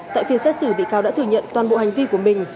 tại phiên xét xử bị cáo đã thừa nhận toàn bộ hành vi của mình